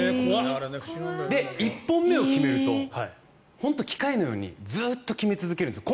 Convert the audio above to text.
１本目を決めると本当に機械のようにずっと決め続けるんですよ。